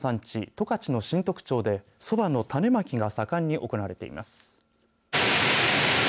十勝の新得町でそばの種まきが盛んに行われています。